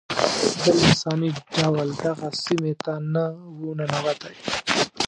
هیڅ بل انساني ډول دغه سیمې ته نه و ننوتی.